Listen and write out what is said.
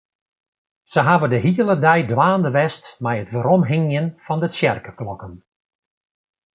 Se hawwe de hiele dei dwaande west mei it weromhingjen fan de tsjerkeklokken.